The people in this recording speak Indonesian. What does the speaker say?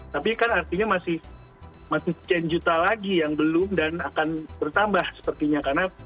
tapi kan artinya masih sekian juta lagi yang belum dan akan bertambah sepertinya